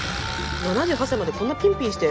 ７８歳までこんなピンピンして。